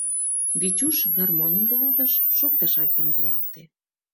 Витюш гармоньым руалтыш, шокташат ямдылалте.